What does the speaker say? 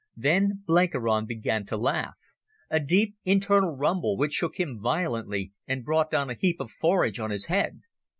Then Blenkiron began to laugh, a deep internal rumble which shook him violently and brought down a heap of forage on his head.